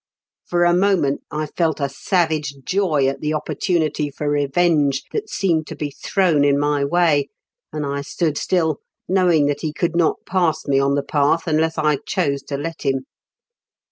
For a moment I felt a savage joy at the opportunity for revenge that seemed to be thrown in my way, and I stood still, knowing that he could not pass me on the path unless I chose to let him.